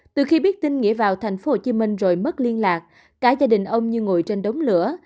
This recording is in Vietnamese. từ khi biết tin nghĩa vào tp hcm rồi mất liên lạc cả gia đình ông như ngồi trên đống lửa